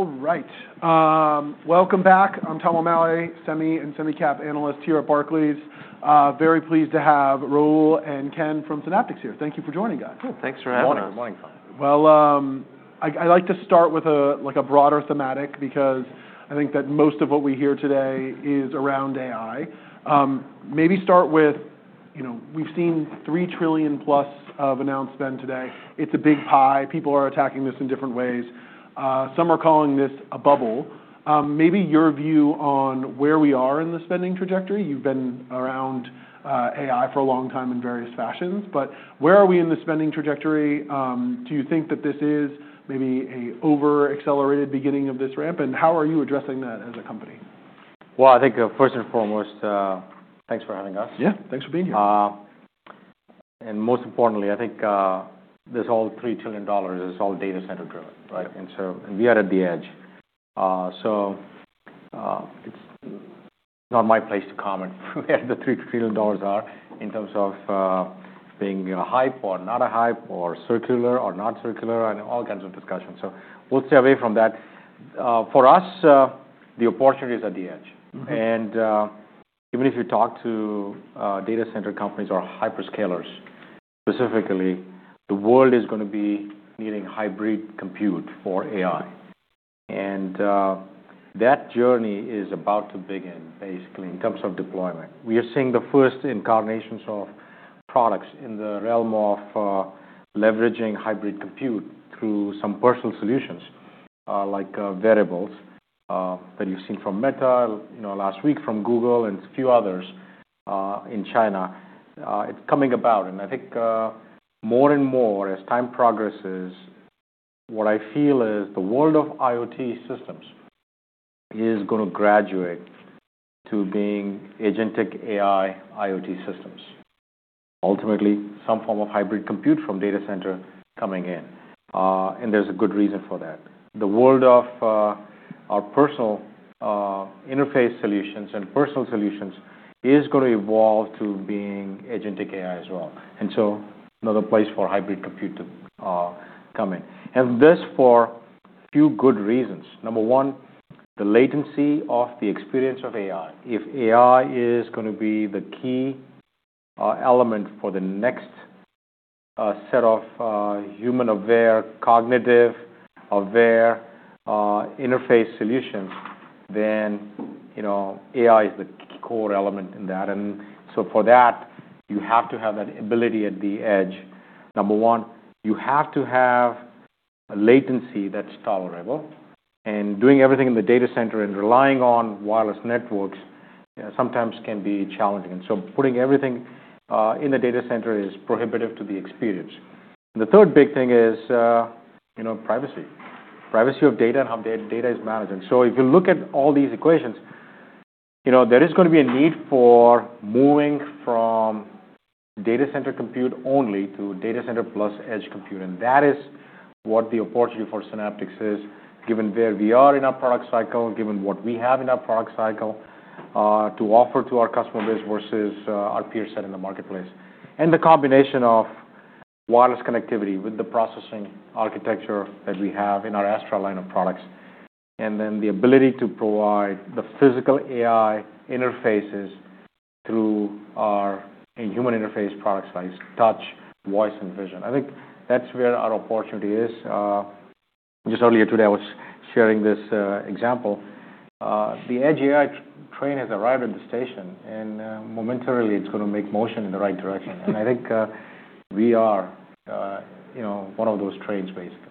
All right. Welcome back. I'm Tom O'Malley, Semi and Semi Cap Analyst here at Barclays. Very pleased to have Michael Hurlston and Ken from Synaptics here. Thank you for joining us. Cool. Thanks for having us. Morning. I like to start with a broader thematic because I think that most of what we hear today is around AI. Maybe start with we've seen $3 trillion-plus of announcements today. It's a big pie. People are attacking this in different ways. Some are calling this a bubble. Maybe your view on where we are in the spending trajectory? You've been around AI for a long time in various fashions, but where are we in the spending trajectory? Do you think that this is maybe an over-accelerated beginning of this ramp, and how are you addressing that as a company? Well, I think first and foremost, thanks for having us. Yeah. Thanks for being here. And most importantly, I think this whole $3 trillion is all data center driven, right? We are at the edge. It's not my place to comment where the $3 trillion are in terms of being a hype or not a hype, or circular or not circular, and all kinds of discussions. We'll stay away from that. For us, the opportunity is at the edge. Even if you talk to data center companies or hyperscalers specifically, the world is going to be needing hybrid compute for AI. That journey is about to begin, basically, in terms of deployment. We are seeing the first incarnations of products in the realm of leveraging hybrid compute through some personal solutions like wearables that you've seen from Meta last week, from Google, and a few others in China. It's coming about. And I think more and more as time progresses, what I feel is the world of IoT systems is going to graduate to being agentic AI IoT systems. Ultimately, some form of hybrid compute from data center coming in. And there's a good reason for that. The world of our personal interface solutions and personal solutions is going to evolve to being agentic AI as well. And so another place for hybrid compute to come in. And this for a few good reasons. Number one, the latency of the experience of AI. If AI is going to be the key element for the next set of human-aware, cognitive-aware interface solutions, then AI is the core element in that. And so for that, you have to have that ability at the edge. Number one, you have to have a latency that's tolerable. And doing everything in the data center and relying on wireless networks sometimes can be challenging. And so putting everything in the data center is prohibitive to the experience. And the third big thing is privacy, privacy of data and how data is managed. And so if you look at all these equations, there is going to be a need for moving from data center compute only to data center plus edge compute. And that is what the opportunity for Synaptics is, given where we are in our product cycle, given what we have in our product cycle to offer to our customer base versus our peer set in the marketplace. And the combination of wireless connectivity with the processing architecture that we have in our Astra line of products, and then the ability to provide the physical AI interfaces through our human interface products like touch, voice, and vision. I think that's where our opportunity is. Just earlier today, I was sharing this example. The edge AI train has arrived at the station, and momentarily, it's going to make motion in the right direction, and I think we are one of those trains, basically.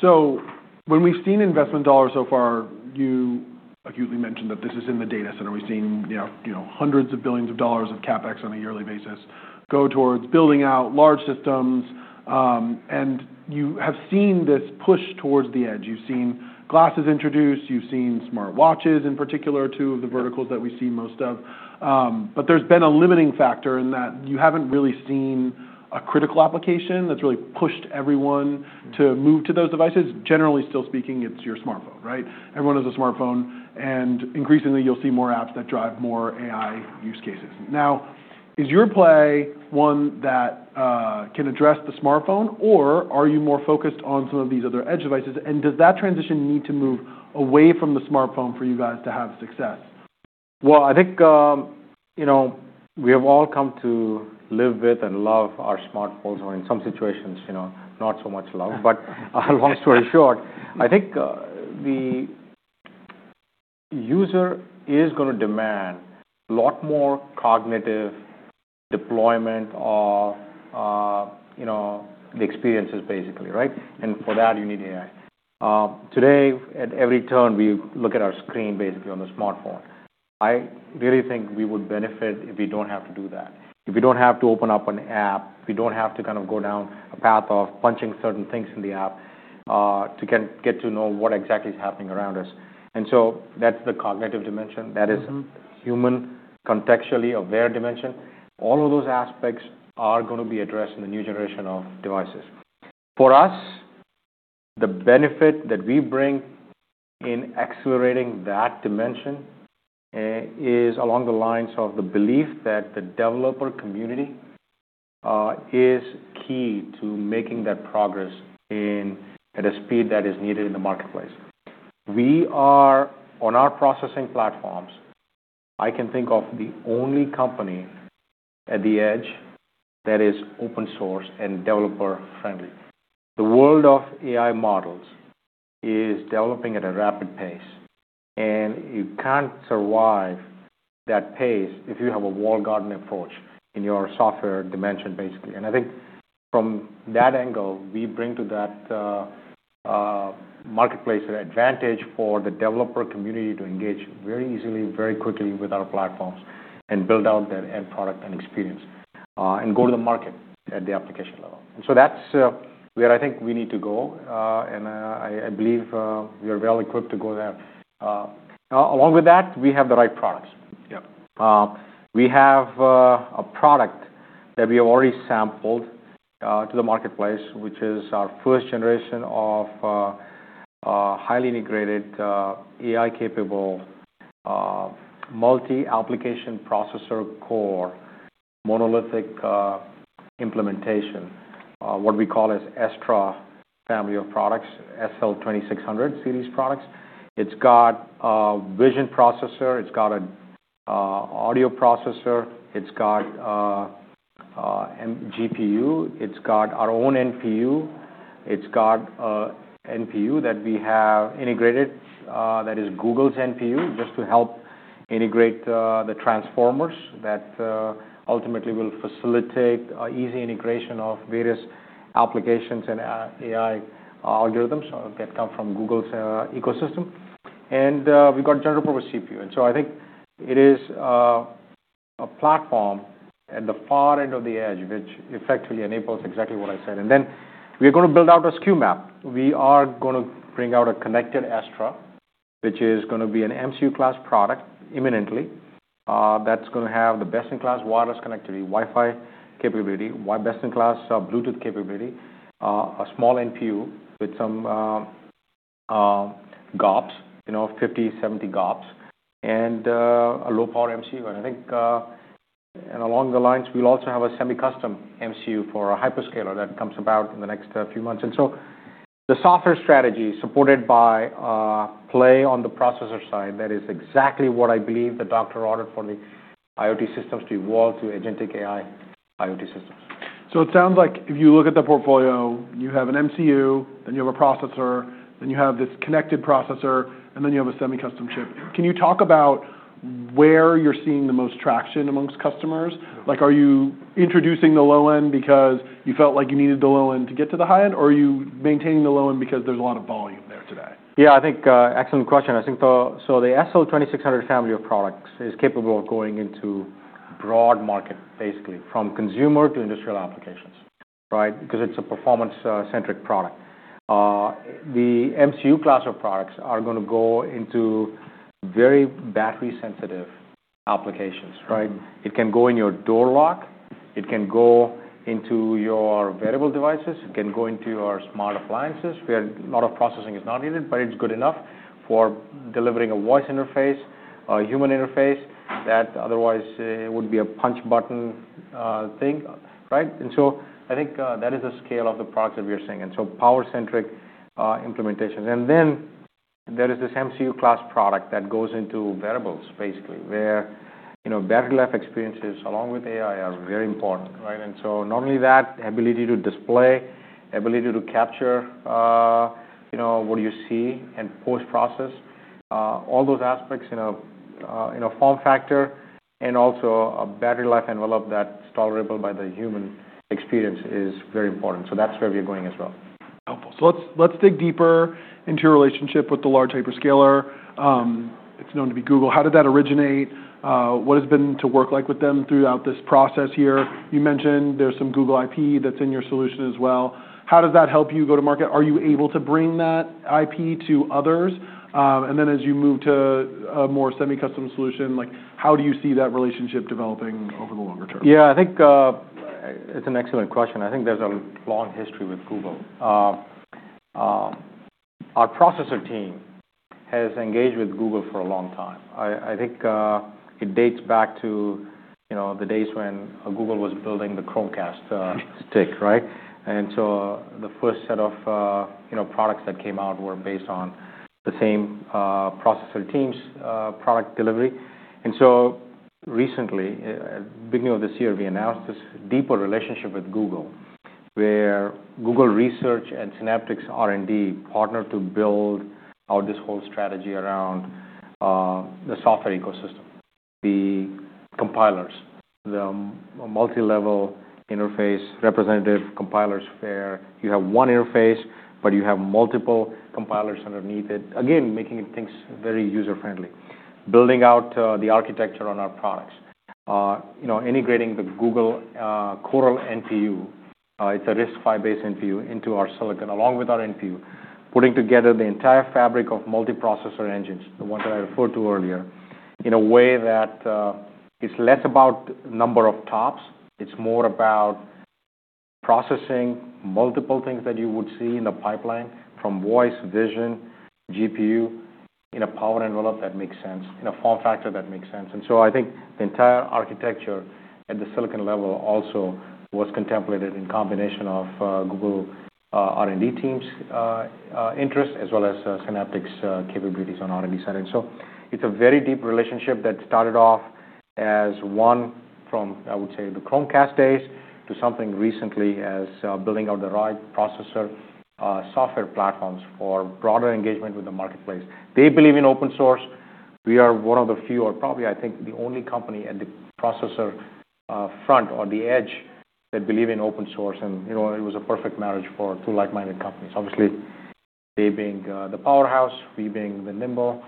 So when we've seen investment dollars so far, you accurately mentioned that this is in the data center. We've seen hundreds of billions of dollars of CapEx on a yearly basis go towards building out large systems. And you have seen this push towards the edge. You've seen glasses introduced. You've seen smartwatches in particular, two of the verticals that we see most of. But there's been a limiting factor in that you haven't really seen a critical application that's really pushed everyone to move to those devices. Generally still speaking, it's your smartphone, right? Everyone has a smartphone. And increasingly, you'll see more apps that drive more AI use cases. Now, is your play one that can address the smartphone, or are you more focused on some of these other edge devices? And does that transition need to move away from the smartphone for you guys to have success? Well, I think we have all come to live with and love our smartphones, or in some situations, not so much love, but long story short, I think the user is going to demand a lot more cognitive deployment of the experiences, basically, right, and for that, you need AI. Today, at every turn, we look at our screen, basically, on the smartphone. I really think we would benefit if we don't have to do that. If we don't have to open up an app, if we don't have to kind of go down a path of punching certain things in the app to get to know what exactly is happening around us, and so that's the cognitive dimension. That is human contextually aware dimension. All of those aspects are going to be addressed in the new generation of devices. For us, the benefit that we bring in accelerating that dimension is along the lines of the belief that the developer community is key to making that progress at a speed that is needed in the marketplace. We are, on our processing platforms, I can think of the only company at the edge that is open source and developer-friendly. The world of AI models is developing at a rapid pace. And you can't survive that pace if you have a walled garden approach in your software dimension, basically. And I think from that angle, we bring to that marketplace an advantage for the developer community to engage very easily, very quickly with our platforms and build out their end product and experience and go to the market at the application level. And so that's where I think we need to go. And I believe we are well equipped to go there. Along with that, we have the right products. We have a product that we have already sampled to the marketplace, which is our first generation of highly integrated AI-capable multi-application processor core monolithic implementation, what we call as Astra family of products, SL2600 series products. It's got a vision processor. It's got an audio processor. It's got GPU. It's got our own NPU. It's got NPU that we have integrated that is Google's NPU just to help integrate the transformers that ultimately will facilitate easy integration of various applications and AI algorithms that come from Google's ecosystem, and we've got a general purpose CPU, and so I think it is a platform at the far end of the edge, which effectively enables exactly what I said, and then we are going to build out a SKU map. We are going to bring out a connected Astra, which is going to be an MCU-class product imminently that's going to have the best-in-class wireless connectivity, Wi-Fi capability, best-in-class Bluetooth capability, a small NPU with some GOPS, 50-70 GOPS, and a low-power MCU. And I think along the lines, we'll also have a semi-custom MCU for a hyperscaler that comes about in the next few months. And so the software strategy supported by play on the processor side that is exactly what I believe the doctor ordered for the IoT systems to evolve to agentic AI IoT systems. So it sounds like if you look at the portfolio, you have an MCU, then you have a processor, then you have this connected processor, and then you have a semi-custom chip. Can you talk about where you're seeing the most traction amongst customers? Are you introducing the low-end because you felt like you needed the low-end to get to the high-end, or are you maintaining the low-end because there's a lot of volume there today? Yeah, I think excellent question. I think, so the SL2600 family of products is capable of going into broad market, basically, from consumer to industrial applications, right, because it's a performance-centric product. The MCU class of products are going to go into very battery-sensitive applications, right? It can go in your door lock. It can go into your wearable devices. It can go into your smart appliances where a lot of processing is not needed, but it's good enough for delivering a voice interface, a human interface that otherwise would be a punch button thing, right, and so I think that is the scale of the products that we are seeing, and so power-centric implementations, and then there is this MCU class product that goes into wearables, basically, where battery life experiences along with AI are very important, right? And so not only that, ability to display, ability to capture what you see and post-process, all those aspects in a form factor, and also a battery life envelope that's tolerable by the human experience is very important. So that's where we're going as well. Helpful. So let's dig deeper into your relationship with the large hyperscaler. It's known to be Google. How did that originate? What has it been like to work with them throughout this process here? You mentioned there's some Google IP that's in your solution as well. How does that help you go to market? Are you able to bring that IP to others? And then as you move to a more semi-custom solution, how do you see that relationship developing over the longer term? Yeah, I think it's an excellent question. I think there's a long history with Google. Our processor team has engaged with Google for a long time. I think it dates back to the days when Google was building the Chromecast stick, right? And so the first set of products that came out were based on the same processor team's product delivery. And so recently, at the beginning of this year, we announced this deeper relationship with Google where Google Research and Synaptics R&D partnered to build out this whole strategy around the software ecosystem, the compilers, the multi-level interface representative compilers where you have one interface, but you have multiple compilers underneath it, again, making things very user-friendly, building out the architecture on our products, integrating the Google Coral NPU. It's a RISC-V-based NPU into our silicon along with our NPU, putting together the entire fabric of multi-processor engines, the one that I referred to earlier, in a way that it's less about number of TOPS. It's more about processing multiple things that you would see in the pipeline from voice, vision, GPU in a power envelope that makes sense, in a form factor that makes sense, and so I think the entire architecture at the silicon level also was contemplated in combination of Google R&D team's interests as well as Synaptics capabilities on R&D side, and so it's a very deep relationship that started off as one from, I would say, the Chromecast days to something recently as building out the right processor software platforms for broader engagement with the marketplace. They believe in open source. We are one of the few, or probably, I think, the only company at the processor front or the edge that believe in open source, and it was a perfect marriage for two like-minded companies, obviously, they being the powerhouse, we being the nimble,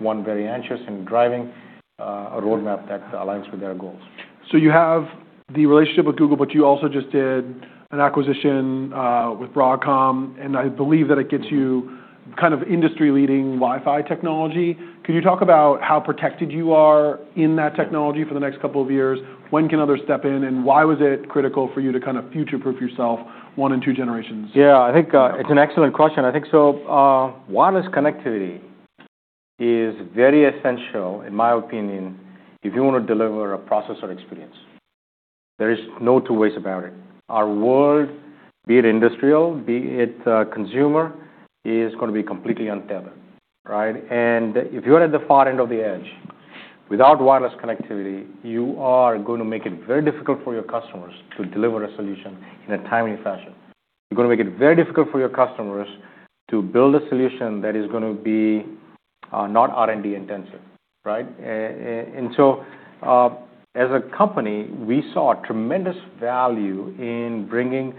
one very anxious and driving a roadmap that aligns with their goals. So you have the relationship with Google, but you also just did an acquisition with Broadcom. And I believe that it gets you kind of industry-leading Wi-Fi technology. Can you talk about how protected you are in that technology for the next couple of years? When can others step in? And why was it critical for you to kind of future-proof yourself one and two generations? Yeah, I think it's an excellent question. I think so, wireless connectivity is very essential, in my opinion, if you want to deliver a processor experience. There is no two ways about it. Our world, be it industrial, be it consumer, is going to be completely untethered, right? And if you're at the far end of the edge without wireless connectivity, you are going to make it very difficult for your customers to deliver a solution in a timely fashion. You're going to make it very difficult for your customers to build a solution that is going to be not R&D intensive, right? And so as a company, we saw tremendous value in bringing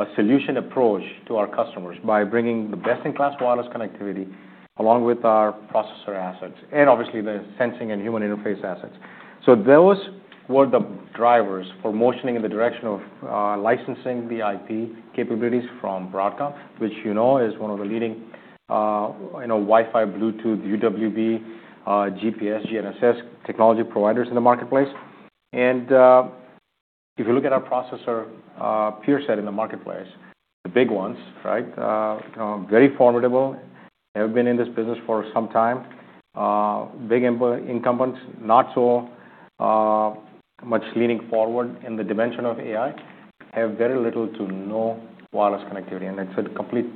a solution approach to our customers by bringing the best-in-class wireless connectivity along with our processor assets and obviously the sensing and human interface assets. So those were the drivers for moving in the direction of licensing the IP capabilities from Broadcom, which you know is one of the leading Wi-Fi, Bluetooth, UWB, GPS, GNSS technology providers in the marketplace. And if you look at our processor portfolio in the marketplace, the big ones, right, very formidable, have been in this business for some time, big incumbents, not so much leaning forward in the dimension of AI, have very little to no wireless connectivity. And it's a complete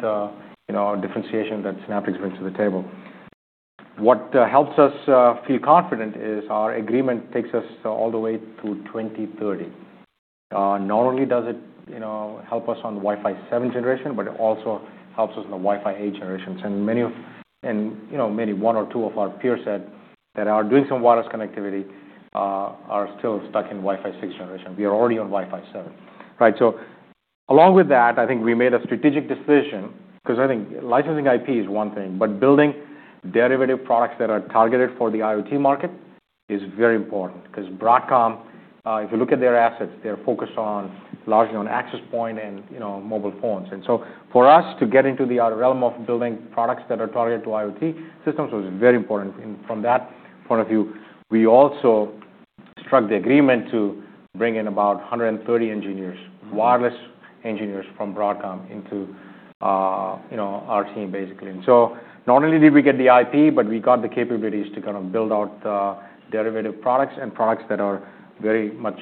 differentiation that Synaptics brings to the table. What helps us feel confident is our agreement takes us all the way to 2030. Not only does it help us on Wi-Fi 7 generation, but it also helps us in the Wi-Fi 8 generations. And meanwhile one or two of our peers that are doing some wireless connectivity are still stuck in Wi-Fi 6 generation. We are already on Wi-Fi 7, right, so along with that, I think we made a strategic decision because I think licensing IP is one thing, but building derivative products that are targeted for the IoT market is very important because Broadcom, if you look at their assets, they're focused largely on access point and mobile phones, and so for us to get into the realm of building products that are targeted to IoT systems was very important, and from that point of view, we also struck the agreement to bring in about 130 engineers, wireless engineers from Broadcom into our team, basically, and so not only did we get the IP, but we got the capabilities to kind of build out derivative products and products that are very much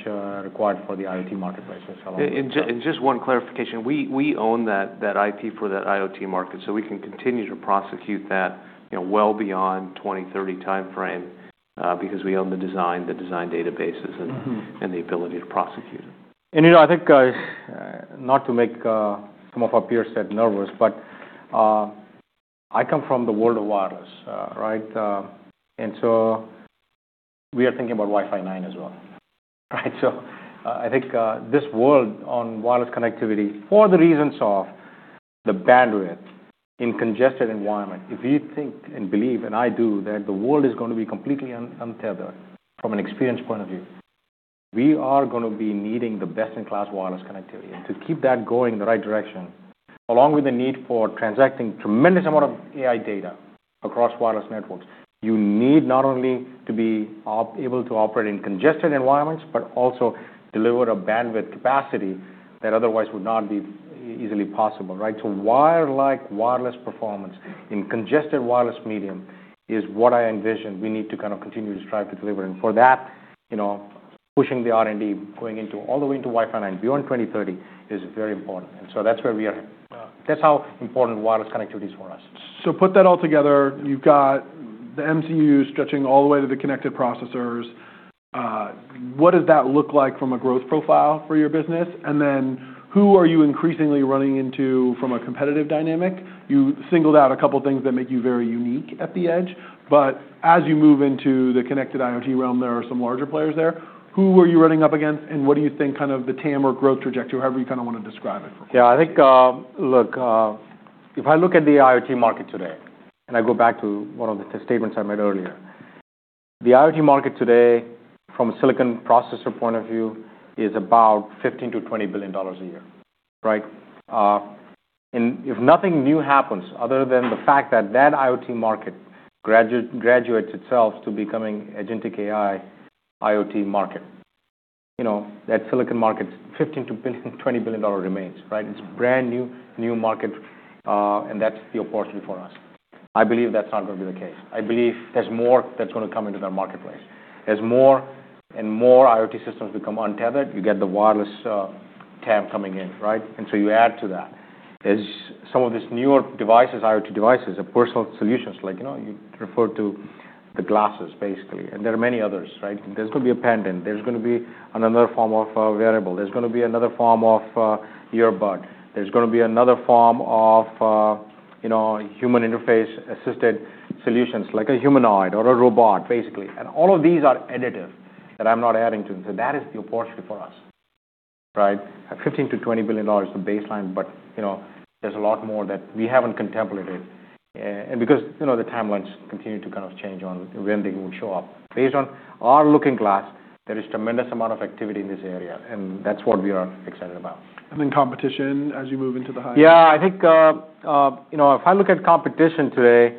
required for the IoT marketplace. And just one clarification. We own that IP for that IoT market. So we can continue to prosecute that well beyond 2030 timeframe because we own the design, the design databases, and the ability to prosecute it. I think not to make some of our peers get nervous, but I come from the world of wireless, right? We are thinking about Wi-Fi 9 as well, right? I think this world of wireless connectivity for the reasons of the bandwidth in congested environment, if you think and believe, and I do, that the world is going to be completely untethered from an experience point of view, we are going to be needing the best-in-class wireless connectivity. To keep that going in the right direction, along with the need for transacting tremendous amount of AI data across wireless networks, you need not only to be able to operate in congested environments, but also deliver a bandwidth capacity that otherwise would not be easily possible, right? Wire-like wireless performance in congested wireless medium is what I envision we need to kind of continue to strive to deliver. For that, pushing the R&D going all the way into Wi-Fi 9 beyond 2030 is very important. That's where we are. That's how important wireless connectivity is for us. So put that all together. You've got the MCU stretching all the way to the connected processors. What does that look like from a growth profile for your business? And then who are you increasingly running into from a competitive dynamic? You singled out a couple of things that make you very unique at the edge. But as you move into the connected IoT realm, there are some larger players there. Who are you running up against? And what do you think kind of the TAM or growth trajectory, however you kind of want to describe it? Yeah, I think, look, if I look at the IoT market today, and I go back to one of the statements I made earlier, the IoT market today from a silicon processor point of view is about $15-$20 billion a year, right? And if nothing new happens other than the fact that that IoT market graduates itself to becoming agentic AI IoT market, that silicon market, $15-$20 billion remains, right? It's brand new market, and that's the opportunity for us. I believe that's not going to be the case. I believe there's more that's going to come into that marketplace. As more and more IoT systems become untethered, you get the wireless TAM coming in, right? And so you add to that. Some of these newer devices, IoT devices, are personal solutions like you referred to the glasses, basically. And there are many others, right? There's going to be a pendant. There's going to be another form of wearables. There's going to be another form of earbud. There's going to be another form of human interface-assisted solutions like a humanoid or a robot, basically. And all of these are additive that I'm not adding to. So that is the opportunity for us, right? $15-$20 billion is the baseline, but there's a lot more that we haven't contemplated. And because the timelines continue to kind of change on when they will show up. Based on our looking glass, there is a tremendous amount of activity in this area, and that's what we are excited about. And then, competition as you move into the higher? Yeah, I think if I look at competition today,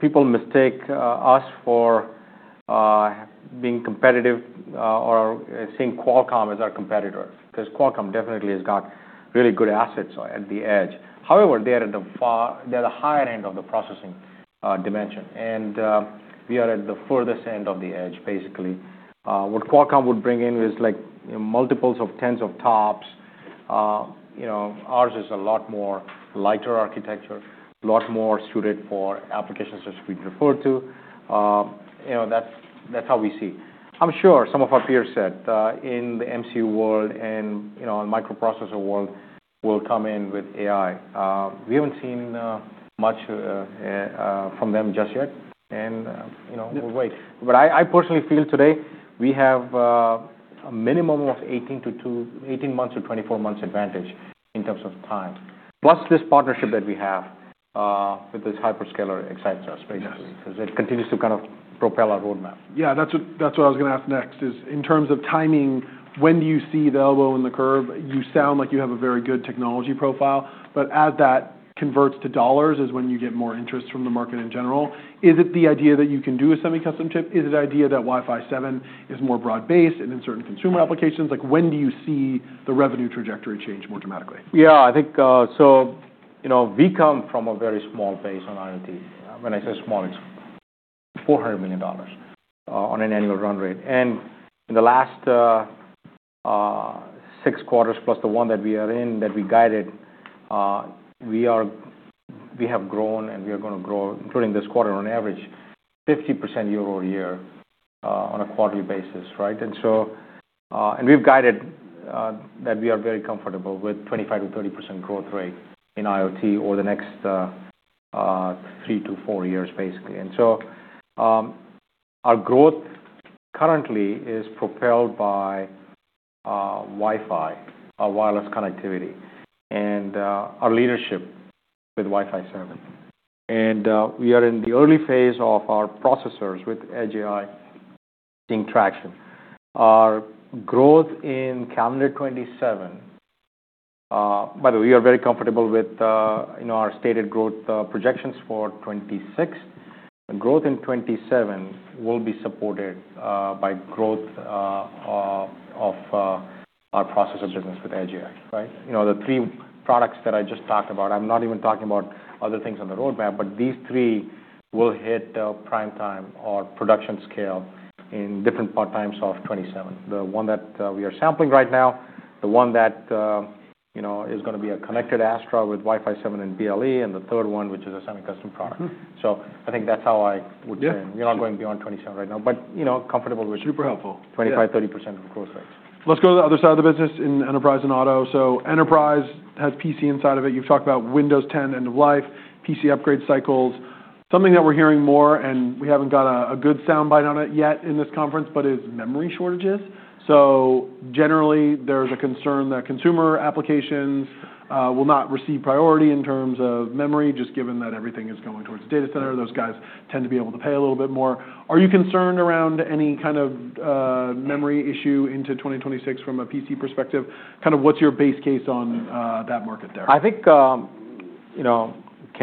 people mistake us for being competitive or seeing Qualcomm as our competitor because Qualcomm definitely has got really good assets at the edge. However, they are at the higher end of the processing dimension, and we are at the furthest end of the edge, basically. What Qualcomm would bring in is multiples of tens of TOPS. Ours is a lot more lighter architecture, a lot more suited for applications as we referred to. That's how we see. I'm sure some of our peers in the MCU world and microprocessor world will come in with AI. We haven't seen much from them just yet, and we'll wait. But I personally feel today we have a minimum of 18 months to 24 months advantage in terms of time. Plus this partnership that we have with this hyperscaler excites us, basically, because it continues to kind of propel our roadmap. Yeah, that's what I was going to ask next is in terms of timing, when do you see the elbow in the curve? You sound like you have a very good technology profile. But as that converts to dollars is when you get more interest from the market in general. Is it the idea that you can do a semi-custom chip? Is it the idea that Wi-Fi 7 is more broad-based and in certain consumer applications? When do you see the revenue trajectory change more dramatically? Yeah, I think so we come from a very small base on IoT. When I say small, it's $400 million on an annual run rate. And in the last six quarters plus the one that we are in that we guided, we have grown and we are going to grow, including this quarter, on average, 50% year over year on a quarterly basis, right? And we've guided that we are very comfortable with 25%-30% growth rate in IoT over the next three to four years, basically. And so our growth currently is propelled by Wi-Fi, wireless connectivity, and our leadership with Wi-Fi 7. And we are in the early phase of our processors with edge AI seeing traction. Our growth in calendar 2027, by the way, we are very comfortable with our stated growth projections for 2026. The growth in 2027 will be supported by growth of our processor business with edge AI, right? The three products that I just talked about, I'm not even talking about other things on the roadmap, but these three will hit prime time or production scale in different part times of 2027. The one that we are sampling right now, the one that is going to be a connected Astra with Wi-Fi 7 and BLE, and the third one, which is a semi-custom product. So I think that's how I would say. We're not going beyond 2027 right now, but comfortable with 25%-30% growth rates. Let's go to the other side of the business in enterprise and auto. So enterprise has PC inside of it. You've talked about Windows 10 end of life, PC upgrade cycles. Something that we're hearing more, and we haven't got a good soundbite on it yet in this conference, but it's memory shortages. So generally, there's a concern that consumer applications will not receive priority in terms of memory, just given that everything is going towards the data center. Those guys tend to be able to pay a little bit more. Are you concerned around any kind of memory issue into 2026 from a PC perspective? Kind of what's your base case on that market there? I think Ken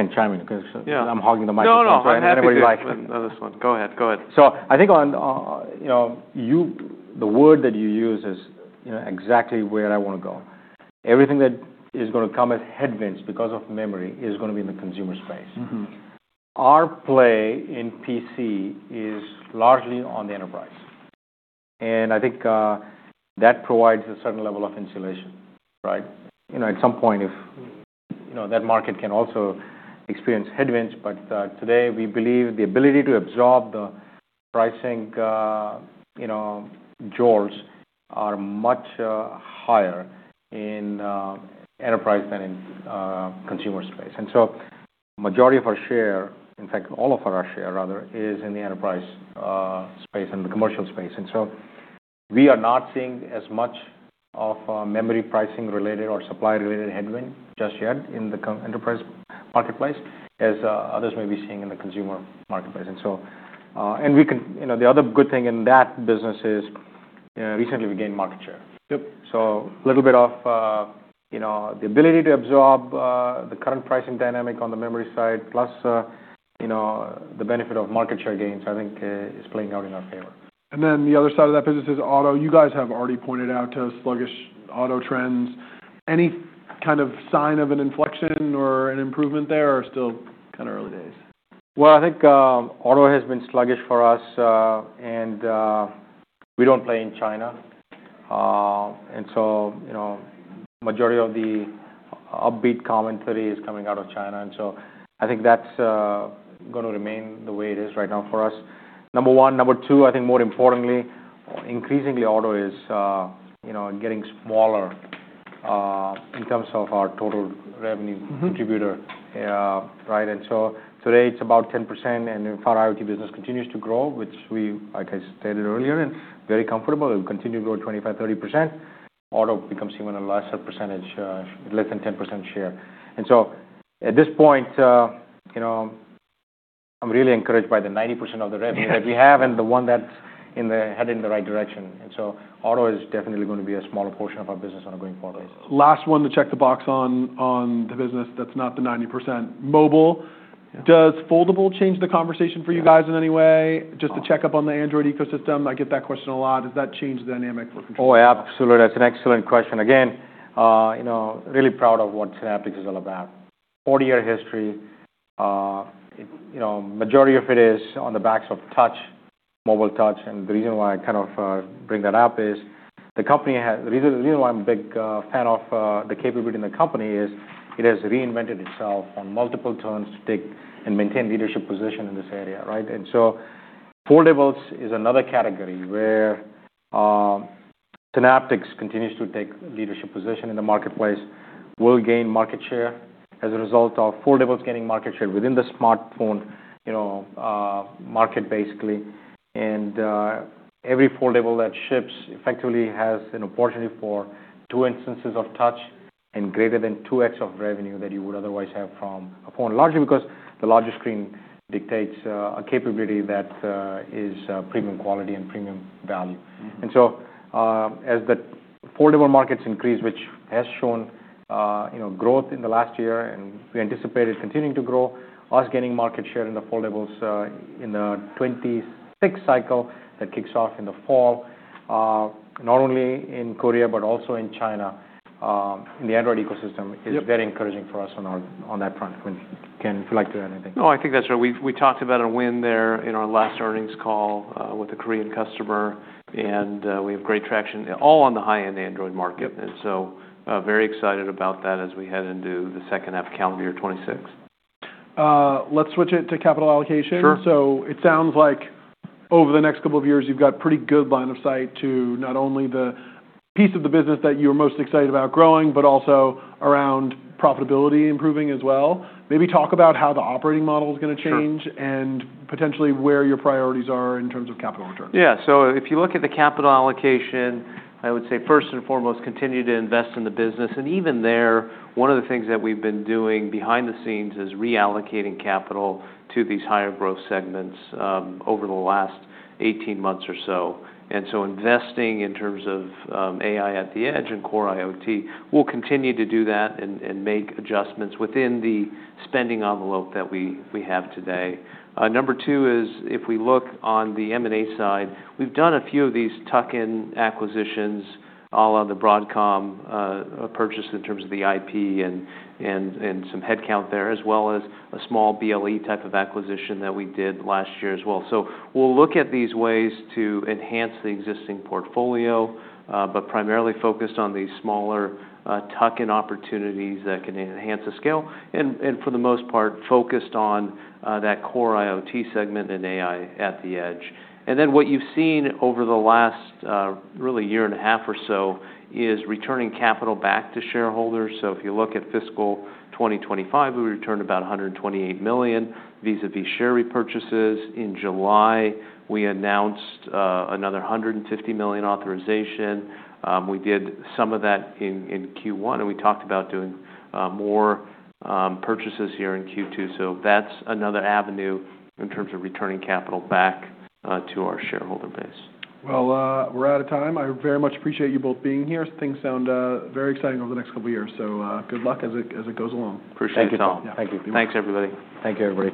can chime in because I'm hogging the microphone, right? No, no, no. I have another one. Go ahead, go ahead. So I think the word that you use is exactly where I want to go. Everything that is going to come as headwinds because of memory is going to be in the consumer space. Our play in PC is largely on the enterprise. And I think that provides a certain level of insulation, right? At some point, that market can also experience headwinds, but today we believe the ability to absorb the pricing jaws are much higher in enterprise than in consumer space. And so the majority of our share, in fact, all of our share rather, is in the enterprise space and the commercial space. And so we are not seeing as much of memory pricing related or supply related headwind just yet in the enterprise marketplace as others may be seeing in the consumer marketplace. And the other good thing in that business is recently we gained market share. So a little bit of the ability to absorb the current pricing dynamic on the memory side, plus the benefit of market share gains, I think is playing out in our favor. And then the other side of that business is auto. You guys have already pointed out sluggish auto trends. Any kind of sign of an inflection or an improvement there or still kind of early days? Well, I think auto has been sluggish for us, and we don't play in China. And so the majority of the upbeat commentary is coming out of China. And so I think that's going to remain the way it is right now for us. Number one. Number two, I think more importantly, increasingly auto is getting smaller in terms of our total revenue contributor, right? And so today it's about 10%. And if our IoT business continues to grow, which we, like I stated earlier, and very comfortable, it will continue to grow 25%-30%. auto becomes even a lesser percentage, less than 10% share. And so at this point, I'm really encouraged by the 90% of the revenue that we have and the one that's heading in the right direction. And so auto is definitely going to be a smaller portion of our business on a going forward basis. Last one to check the box on the business that's not the 90%. Mobile, does foldable change the conversation for you guys in any way? Just to check up on the Android ecosystem, I get that question a lot. Does that change the dynamic for consumers? Oh, absolutely. That's an excellent question. Again, really proud of what Synaptics is all about. 40-year history. The majority of it is on the backs of Touch, Mobile Touch. And the reason why I kind of bring that up is the company has the reason why I'm a big fan of the capability in the company is it has reinvented itself on multiple turns to take and maintain leadership position in this area, right? And so foldables is another category where Synaptics continues to take leadership position in the marketplace, will gain market share as a result of foldables getting market share within the smartphone market, basically. And every foldable that ships effectively has an opportunity for two instances of Touch and greater than 2x of revenue that you would otherwise have from a phone, largely because the larger screen dictates a capability that is premium quality and premium value. And so as the foldable markets increase, which has shown growth in the last year, and we anticipate it continuing to grow, us gaining market share in the foldables in the 2026 cycle that kicks off in the fall, not only in Korea but also in China, in the Android ecosystem is very encouraging for us on that front. Ken, if you'd like to add anything. No, I think that's right. We talked about a win there in our last earnings call with a Korean customer, and we have great traction, all on the high-end Android market, and so very excited about that as we head into the second half of calendar year 2026. Let's switch it to capital allocation. So it sounds like over the next couple of years, you've got a pretty good line of sight to not only the piece of the business that you are most excited about growing, but also around profitability improving as well. Maybe talk about how the operating model is going to change and potentially where your priorities are in terms of capital returns. Yeah. So if you look at the capital allocation, I would say first and foremost, continue to invest in the business. And even there, one of the things that we've been doing behind the scenes is reallocating capital to these higher growth segments over the last 18 months or so. And so investing in terms of AI at the edge and core IoT, we'll continue to do that and make adjustments within the spending envelope that we have today. Number two is if we look on the M&A side, we've done a few of these tuck-in acquisitions, all on the Broadcom purchase in terms of the IP and some headcount there, as well as a small BLE type of acquisition that we did last year as well. So we'll look at these ways to enhance the existing portfolio, but primarily focused on these smaller tuck-in opportunities that can enhance the scale. And for the most part, focused on that core IoT segment and AI at the edge. And then what you've seen over the last really year and a half or so is returning capital back to shareholders. So if you look at fiscal 2025, we returned about $128 million vis-à-vis share repurchases. In July, we announced another $150 million authorization. We did some of that in Q1, and we talked about doing more purchases here in Q2. So that's another avenue in terms of returning capital back to our shareholder base. Well, we're out of time. I very much appreciate you both being here. Things sound very exciting over the next couple of years. So good luck as it goes along. Appreciate it. Thank you all. Thank you. Thanks, everybody. Thank you, everybody.